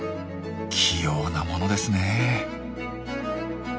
器用なものですねえ。